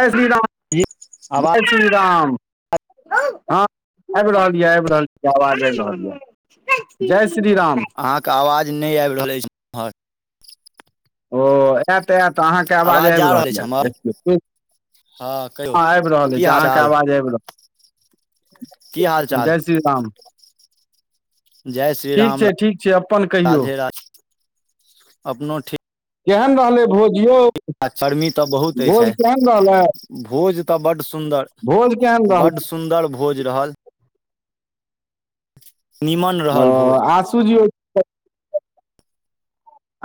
जय श्री राम जी आवाज जय श्री राम हँ आबि रहल यऽ आबि रहल छी आवाज आबि रहल यऽ जय श्री राम अहाँके आवाज नइ आबि रहल अछि इम्हर ओ आयत आयत अहाँके आवाज जा आबि रहल अछि यऽ हमर देखियौ ठीक हँ आबि रहल की अछि हाल अहाँके चाल आवाज आबि रहल की हाल चाल जय श्री राम जय श्री ठीक राम छै ठीक छै अपन कहियौ राधे राधे अपनो ठीक केहन रहलै भोज यौ आ गर्मी तऽ बहुत अछि भोज केहन रहलै आई भोज तऽ बड्ड सुन्दर भोज केहन रहल बड्ड सुन्दर भोज रहल निमन रहल भोज आसु जी ओ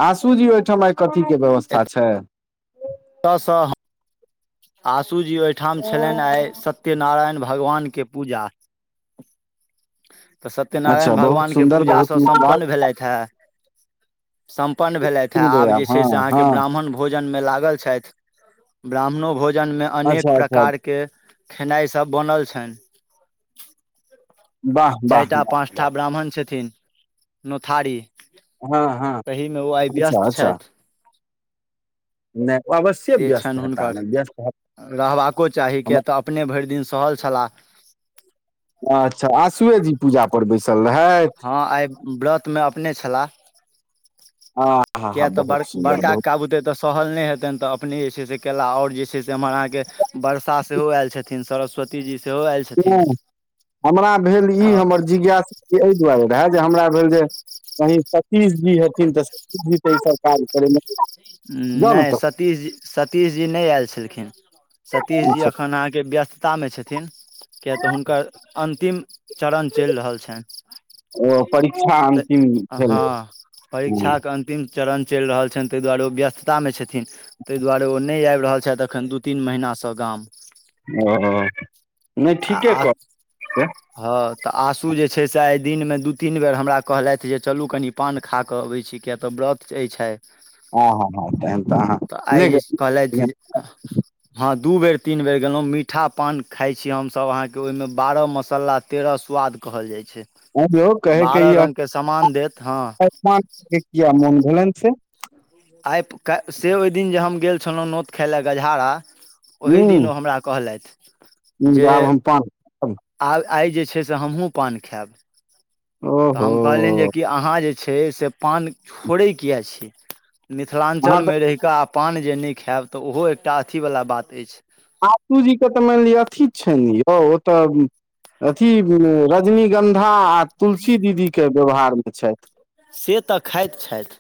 आशूजी ओइठाम आइ कथीके के व्यवस्था छै ता स आशूजी ओइठाम छलनि आइ सत्यनारायण भगवानके पूजा तऽ अच्छा सत्यनारायण बहुत भगवानके सुन्दर पूजास बहुत नीक बात सम्पन्न भेलथि हैय सम्पन्न भेलथि हय सुनबै आब जे छै हँ से हँ अहाँकेँ ब्राह्मण भो भोजनमे लागल छथि ब्राह्मणो भोजनमे अनेक अच्छा अच्छा प्रकारके के खेनाइ सब बनल छनि वाह चारि वाह टा वाह पाँचटा ब्राह्मण छथिन नोथहारी वाह हँ हँ तहि मे ओ आइ अच्छा व्यस्त छथि नइ अवश्ये से व्यस्त छनि हेताह हुनकर ने व्यस्त हेता रहबाको चाही किएक तऽ अपने भरि दिन सहल छलाह अच्छा आशुए जी पूजा पर बैसल रहेथ हँ आइ व्रतमे अपने छलाह आ हा हा किया तऽ बड़ बहुत सुन्दर बहुत बड़का बूते तऽ स सहल नहि हेतनि तऽ अपने जे छै से केला आओर जे छै से हमर अहाँके वर्षा सेहो आयल छथिन सरस्वती जी सेहो आएल नइ हमरा भेल ई तऽ हमर जिज्ञासा एहि दुआरे रहैत जे हमरा भेल जे कही सतीश जी हेथिन तऽ सतीश जी त ई सब काज करेमे जाउ ने नइ तऽ सतीश जी सतीश जी नइ आयल छलखिन सतीश जी अच्छा, अखन अहाँके व्यस्त तामे छथिन किय तऽ हुनकर अन्तिम चरण चलि रहल छनि ओ परीक्षा तऽ अन्तिम भेल हँ हँ, परीक्षा के अन् तिम चरण चलि रहल छनि तइ दुआरे व्यस्ततामे छथिन तइ दुआरे ओ नइ आबि रहल छथि एखन दू तीन महिनासँ गाम ओ नइ ठीके आ करता से हँ तऽ आसू जे छै से आइ दिनमे दू तीन बेर हमरा कहलथि जे चलू कनि पान खा कऽ अबै छी किया तऽ व्रत अई छै आ ह हा तहन त आहां तऽ आइ जे कहलैथ ह दू बेर तीन बेर गेलों मीठा पान खाय छी हम सब अहा के ओहि में बारह मसाला तेरह स्वाद कहल जाइ छै आँय यौ कहैके बारह ई रंगके समान देत हँ किया मन भेलन छै आइ से ओहि दिन जे हम गेल छलहुँ नोत खाय लए गजहारा ओही दिन ओ हमरा कहलैथ न आब हम पान देब। आ आय जे छै से हमहु पान खायब तऽ ओहो हम कहलियनि कि अहाँ जे छै से पान छोड़े किया छी मिथिलाञ्चल अहाँ मे तऽ रहै का पान जे नहि खायब तऽ ओहो एकटा अथीवला बात अछि आतूजी के तऽ मैन लिअ अथी छै ने यौ ओ तऽ अथी रजनीगन्धा आ तुलसी दीदीके व्यवहारमे छथि से तऽ खाइत छथि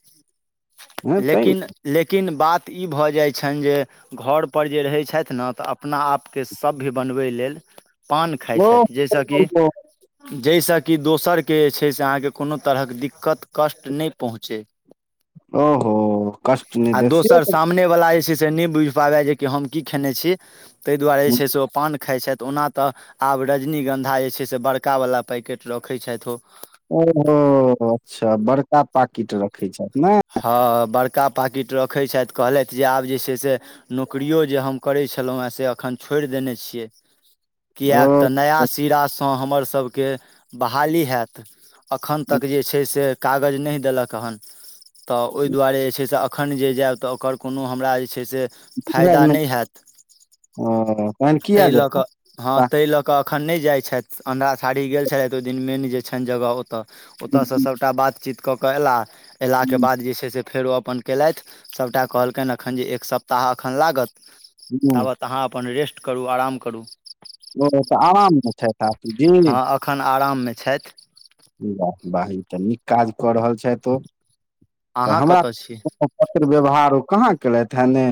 हँ तै ने लेकिन लेकिन बात ई भऽ जाइ छनि जे घरपर जे रहै छथि न तऽ अपना आपके सभ्य बनबै लेल पान खाय ओ छथि जै सँ कि जै से कि दोसरके जे छै से अहाँके कोनो तरहक दिक्कत कष्ट नहि पहुँचै ओहो कष्ट ने दे सामने वला जे छै से नहि बुझ पाबै जे हम की खेने छी तहि दुआरे जे छै से ओ पान खाय छथि ओनाऽ तऽ आब रजनीगन्धा जे छै से बड़कावला पैकेट रखै छथि ओ ओहो अच्छा बड़का पाकिट रखैत छथि ने हँ बड़का पाकिट रखै छथि कहलथि जे आब जे छै से नौकरिओ जे हम करै छलहुँ हेँ से एखन छोड़ि देने छियै किया ओ तऽ नया सिरासँ हमरसभके बहाली हेएत अखन ओ तक जे छै से कागज नहि देलक हन तऽ ओहि दुआरे जे छै से एखन जे जायब तऽ ओकर कोनो हमरा जे छै से फैयदा नै हैत तहन किया जेता हँ तहि लऽ कऽ अखन नहि जाइत छथि अन्धराठाड़ी गेल छलथि ओहि दिन मेन जे छनि जगह ओतय ओतयसँ सभटा बातचीत कऽ कऽ एला एला ओहिके ओ बाद जे छै से फेर ओ अपन केलथि सभटा कहलकनि एखन जे एक सप्ताह एखन लागत ताबत अहाँ अपन रेस्ट करू आराम करू ओ तऽ आराममे छथि हँ एखन आराममे छथि वहिन तऽ नीक काज कऽ रहल छथि ओ तऽ अहाँ हमरा कतय छी पत्र व्यवहार ओ कहाँ केलथि हेने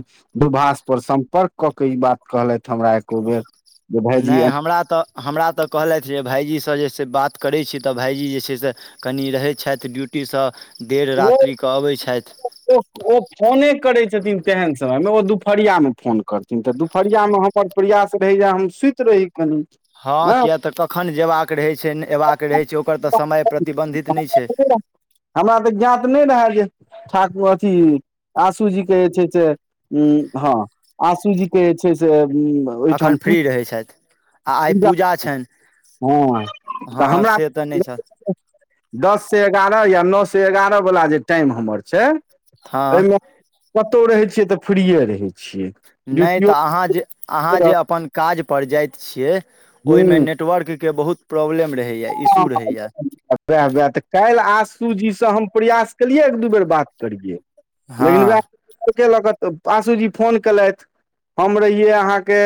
दूभाष पर सम्पर्क कऽ के ई बात कहलथि हमरा एको बेर जे भायजी नहि एना हमरा तऽ हमरा तऽ कहलथि जे भायइजीसँ जे छै बात करैत छी तऽ भाइजी जे छै से कनि रहै छथि ड्यूटीसँ देर ओ रात्रिकेँ अबैत छथि ओ ओ फोने करै छथिन तेहन समयमे ओ दुपहरियामे फोन करथिन तऽ दुपहरियामे हम प्रयास रहै जे हम सुत रही कनि हँ किए तऽ कखन जेयबाक रहै छै अयबाक रहै छै ओकर तऽ समय प्रतिबन्धित नहि छै हमरा तऽ ज्ञात नहि रहए जे ठाकुर अथी आशू जीे जे छै से ह हँ आशूजीे जे छै से उ अखन फ्री रहै छथि आ आय पूजा छनि हँ तऽ हँ हमरा से तऽ नहि छ दस से एगारह या नओ से एगारह वला जे टाइम हमर छै हँ ओहिमे कतौ रहै छियै तऽ फ्रीए रहै छियै नहि तऽ ड्यूटियो अहाँ जे अहाँ जे अपन काज पर जाइत छियै ओहिमे नेट हुँ नेटवर्क के बहुत प्रॉब्लम रहैया इशु रहैया उएह उएह तऽ काल्हि आशू जीसँ हम प्रयास केलियै एक दू बेर बात करियै हँ लेकिन उएह केलक तऽ आशूजी फोन केलथि हम रहियै अहाँके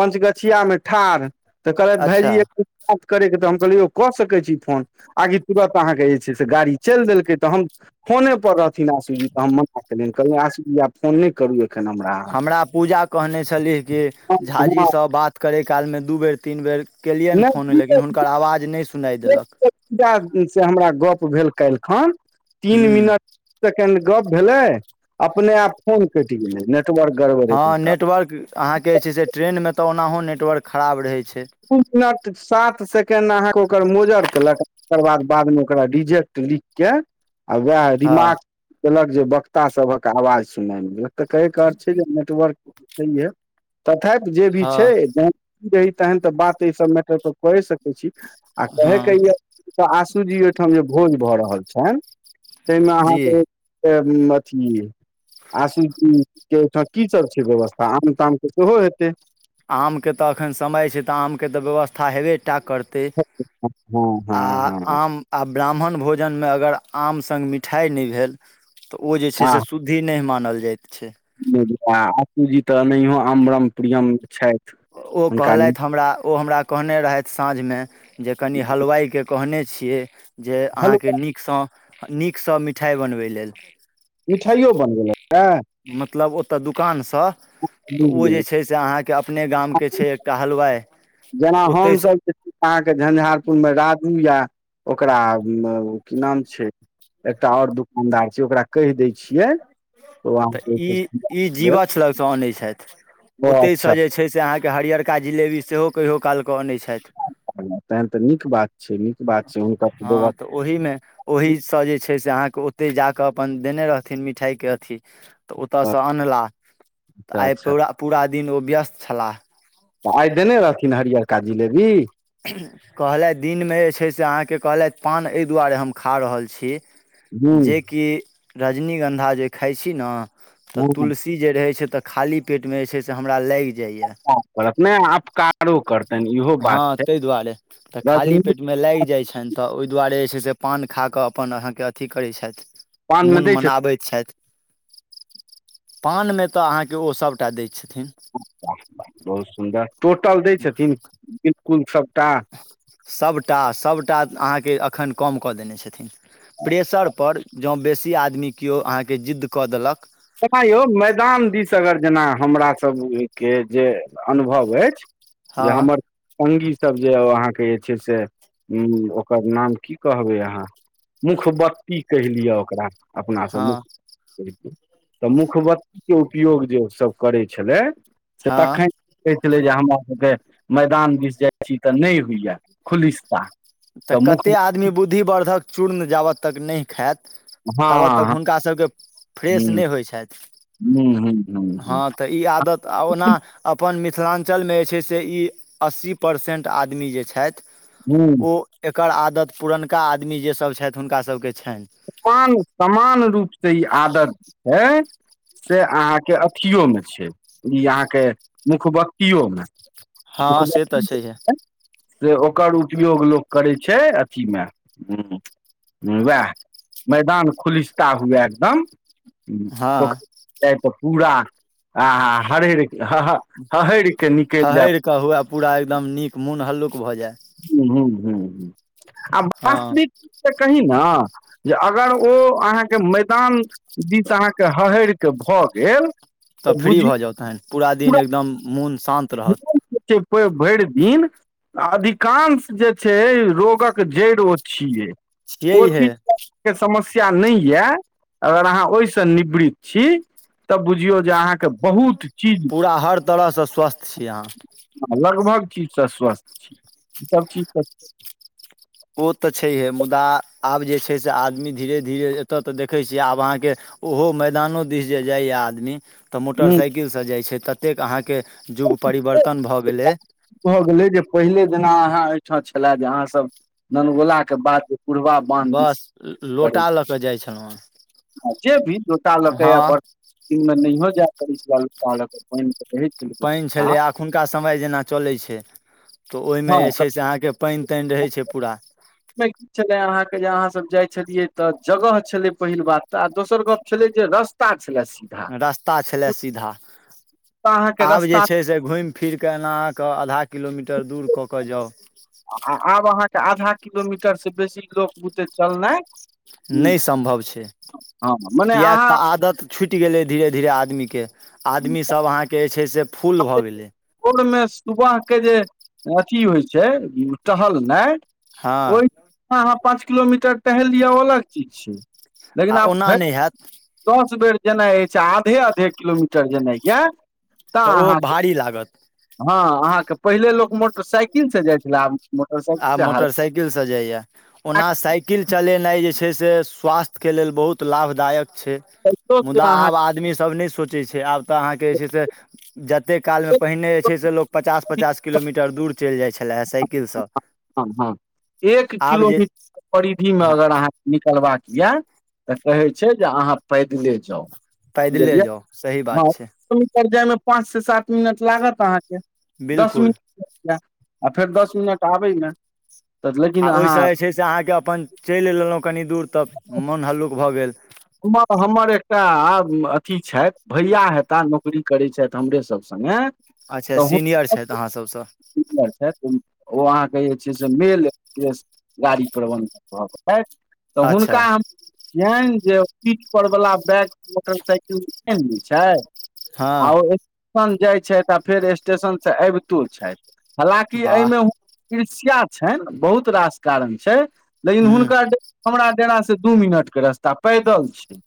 पञ्चगछिया मे ठाढ़ तऽ कहलथि भाईजी अच्छा एक बात करैके तऽ हम कहलिय यौ कऽ सकै छी फोन आगि तुरत अहाँके जे छै से गाड़ी चलि देलकै तऽ हम फोने पर रहथिन आशूजी तऽ हम मना केलनि कहलियै आशूजी आब फोन नहि करू एखन हमरा हमरा पूजा कहने छलीह जे अहाँ हँ झााजीसँ बात करय काल मे दू बेर तीन बेर केलियन फोन नहि लेकिन हुनकर आवाज नहि नहि देलक पूजा से हमरा गप भेल काल्हि खन हूँ तीन मिनट सेकेंड गप भेलै अपने आप फोन कटि गेलै नेटवर्क गरबर हँ नेटवर्क अहाँके जे छै से ट्रेनमे तऽ ओनाहो नेटवर्क खराब रहै छै दू मिनट सात सेकेण्ड अहाँके ओकर मोजर कयेलक तकर बाद बादमे ओकरा रिजेक्ट लिख के आ वएह हँ रिमार्क केलक जे वक्ता सभक आवाज सुनाय गेलक तऽ कहै कार छै जे नेटवर्क छैहे तथापि जे भी हँ छै जहन रही तहन तऽ बात ईसभ मैटर पर कय सकैत छी आ कहयके हँ यए तऽ आशूजी ओहिठाम जे भोज भऽ रहल छैन ताहिमे जी अहाँके अथी आशूजी के ठाम की सब छै व्यवस्था आम ताम के सेहो हेतै आमके तऽ एखन समय छै तऽ आमके तऽ व्यवस्था हेबे टा करतै ते हँ आ हँ हँ आम आ ब्राह्मण भोजन मे अगर आम संग मिठाई नहि भेल तऽ ओ जे छै से शुद्ध द्धी नहि मानल जाइत छै बुझलिय आशूजी तऽ एनयोह अम्बरम पियम छै ओ कहलथ हमरा ओ हमरा कहने रहथि साँझमे जे कनि हलवाईके कहने छियै जे हलुआ अहाँके नीकसँ नीकसँ मिठाई बनबै लेल मिठाईयो बनि गेलै ने मतलब ओतय दोकानसँ तऽ बुझि ओ जे गेलै छै से अहाँके अपने गामके छै कहलवाय जेना हमसभ जे अहाँके झंझारपुरमे राजू या ओकरा की नाम छै एकटा ओर दुकानदार छै ओकरा कहि दै छियै तऽ ओ त ई ई अहाँके जिवछ लग से अनै छैथ ओते स अच्छा जे छै से अहाँके के हरियरका जिलेबी सेहो कहियओ कालके अनै छथ तहन तऽ नीक बात छै नीक बात छै हुनकास हँ व्यवस् तऽ ओहीमे ओहीसँ जे छै से अहाँकेँ ओतहि जा कऽ अपन देने रहथिन मिठाईके अथि तऽ ओतयसँ अनलाह तऽ अच्छा आई अच्छा पूरा पूरा दिन ओ व्यस्त छलाह तऽ आई देने रहथिन हरियरका जिलेबी कहलथि दिनमे जे छै से अहाँकेँ कहलथि पान एहि दुआरे हम खा रहल छी हूँ जेकि रजनीगन्धा जे खाई छी ना तऽ हूँ तुलसी सी जे रहै छै तऽ खाली पेटमे जे छै से हमरा लागि जाइए करत ने आपकारो करतैन इहो बात छै तहि दुआरे तऽ खाली रजनी पेट मे लागि जाइत छनि तऽ ओहि दुआरे जे छै से पान खा कऽ अपन अहाँके अथि करैत छेथ पान मे मोन दै छथिन मनाबैत छथि पान मे तऽ अहाँके ओ सभटा दै छथिन अच्छा बहुत सुन्दर टोटल दै छथिन बिल्कुल सबटा सभटा सभटा अहाँके अखन कम कऽ देने छथिन प्रेशरपर जँ बेसी आदमी केओ अहाँके जिद्द कऽ देलक एना यौ मैदान दिस अगर जेना हमरासभके जे अनुभव अछि हँ जे हमर पंगी सब जे अहाँके जे छै से उ ओकर नाम की कहबै अहाँ मुखबत्ती कहि लिअ ओकरा अपनासँ हँ मुख्तहि तऽ मुखबत्तीके उपयोग जे ओसभ करै छलै से हँ तखन कहै छलै जे हमरा सभके मैदान दिस जाइ छी तऽ नहि होइया खुलिस्ता तऽ कते आदमी बुद्धिवर्धक चूर्ण जाबत तक नहि खात हँ तब तक हँ हुनका सभके फ्रेश हूँ नहि होइ छथि हुं हुं हुं हुं हँ तऽ ई आदत आ ओना अपन मिथिलाञ्चलमे जे छै से ई अस्सी परसेन्ट आदमी जे छथि हुँ ओ एकर आदत पुरनका आदमी जे सब छथि हुनका सभके छनि समान समान रूपसँ ई आदत छै से अहाँ के अथियो में छै ई अहाँ के मुख बक्तियो में हँ से तऽछे हे से ओकर उपयोग लोक करै छै अथीमे ह वएह मैदान खुलिस्ता हुए एकदम हँ पख तऽ पूरा आ हरर ह हहर कऽ हुए पूरा एकदम नीक मोन हल्लुक भऽ जाय हुँ हुँ हुँ ह आ हँ वास्तविक तऽ कही ने जे अगर ओ अहाँके मैदान दिस अहाँके हहर कऽ भऽ गेल तऽ फ्री भऽ जाउ तखन पूरा दिन एकदम मोन शान्त रहत भरि दिन अधिक कांश जे छै रोगक जड़ि ओ छियै छियै ओ हे चीज के समस्या नहि यए अगर अहाँ ओहिसँ निवृत छी तब बुझियौ जे अहाँके बहुत चीज पूरा हर तरहसँ स्वस्थ छी अहाँ लगभग चीजसँ स्वस्थ छै ई सब चीजसँ ओ तऽ छैहे मुदा आब जे छै से आदमी धीरे धीरे एतऽ तऽ देखै छियै आब अहाँके ओहो मैदानो दिस जे जाइए आदमी तऽ नीक मोटरसाइकिलसँ जाइ छै ततेक अहाँके युग छै परिवर्तन भऽ गेलै भऽ गेलै जे पहिले जेना अहाँ एहिठाम छले जे अहाँ सब ननगोलाक के बाद पुरबा बान्ह दिस बस लोटा लऽ कऽ जाइत छलहुँं हेँ आ जे भी लोटा लऽकऽ आ बड़ हँ दिनमे नहियो जाय पड़ै छै लऽ पानि के रहै छलै पानि व्यवस्था छलै एखुनका समय जेना चलै छै तऽ ओहिमे हँ जे तऽ छै से अहाँके पानि तानि रहै छै पूरा ब [inaudible] छल अहाँके जे अहाँ सब जाइ छलियै तऽ जगह छलै पहिल बात तऽ आ दोसर गप छलै जे रस छल सीधा रास्ता छलए सीधा अहाँके आब जे रस्ता छै से घुमि फिर कऽ एना अहाँके आधा किलोमीटर दूर कऽ कऽ जाउ आ आब अहाँके आधा किलोमीटरसँ बेसी लोक बुते चलनाइ नहि सम्भव छै हँ मने किएक अहाँ तऽ आदत छुटि गेलै धीरे धीरे आदमीके आदमी सब अहाँके जे छै से फूल भऽ गेलै भोरमे सुबहके जे अथी होइ छै टहलनाइ हँ हँ हँ पाँच किलोमीटर टहलि दिअ अलग चीज छै लेकिन आ आब ओना भरि नहि हैत दस बेर जेनाइ अछि आधे आधे किलोमीटर जेनाइ यए तऽ ओ भारी लागत हँ अहाँके पहिले लोक मोटरसाइकिल से जाइ छलए आब मोटरसाइकिल आब से मोटरसाइकिल से जाइया ओना साइकिल साईकिल चलेनाय जे छै सें स्वास्थ्य कें लेल बहुत लाभदायक छै मुदा आब आदमी ई सव नई सोचय छय आब त अहाँ के जे जतेक काल में पहिने जे छै से लोक पचास पचास किलोमीटर दूर चलि जाइ छलै हँ साइकिलसँ हँ हँ एक आब जे किलोमीटर परिधिमे हँ अगर अहाँके निकलबाक यए तऽ कहै छै जे अहाँ पैदले जाउ पैदले बुझलियै जाउ सही हँ बात छै किलोमीटर जायमे पाँचसँ सात मिनट लागत अहाँके दस बिलकुल मिनट आ फेर दस मिनट आबै मे आ ओहिसँ जे छै से अहाँके अपन चलि लेलहुँ कनि दूर तऽ मोन हल्लुक भऽ गेल उहाँ तऽ हमर एकटा अथी छथि भैया हेताह नौकरी करैत छथि हमरे सभ संगे अच्छा सीनियर छथि अहाँ सबसँ सिनियर छथि ओ अहाँके जे छै से मेल एकट्रेस गाड़ी प्रबन्धन भऽ तऽ हुनका अच्छा हम छियनि जे पीठ पर वला बैग मोटरसाइकिल आइन लैय घैय हँ आ स्टेशन जाइ छथि आ फेर स्टेशन से अबितो छथि हालकि वाह एहिमे हुनकर ईष्यिया छनि बहुत रास कारण छै लेकिन हूँ हुनका हमरा डेरा से दू मिनटके रास्ता पैदल छै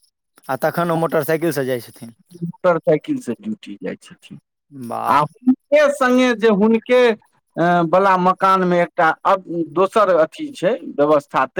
आ तखन ओ मोटरसाइकिलसँ जाइत छथिन मोटर साइकिल से ड्यूटी जाइ छथिन वाह आ हुनके सगे जे हुनके वला मकान मे एकटा दोसर अथी छै व्यवस्था ते